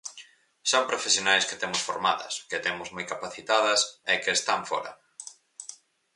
Son profesionais que temos formadas, que temos moi capacitadas, e que están fóra.